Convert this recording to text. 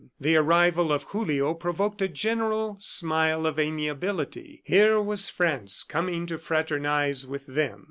The arrival of Julio provoked a general smile of amiability. Here was France coming to fraternize with them.